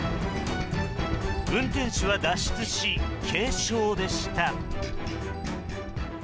運転手は脱出し軽傷でした。